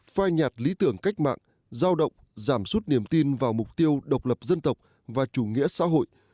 phai nhạt lý tưởng cách mạng giao động giảm sút niềm tin vào mục tiêu độc lập dân tộc và chủ nghĩa xã hội